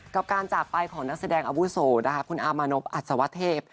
กับการจากไปของนักแสดงอาวุโสนะคะคุณอามานพอัศวเทพ